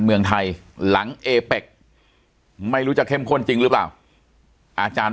เมืองไทยหลังเอเป็กไม่รู้จะเข้มข้นจริงหรือเปล่าอาจารย์